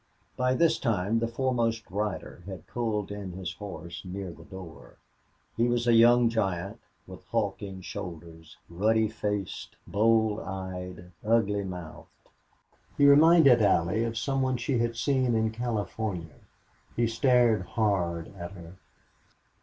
By this time the foremost rider had pulled in his horse near the door. He was a young giant with hulking shoulders, ruddy faced, bold eyed, ugly mouthed. He reminded Allie of some one she had seen in California. He stared hard at her.